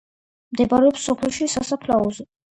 მდებარეობს სოფელში, სასაფლაოზე.